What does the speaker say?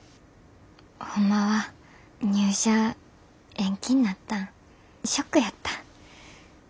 ホンマは入社延期になったんショックやった。